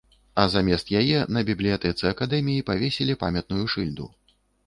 А замест яе на бібліятэцы акадэміі павесілі памятную шыльду.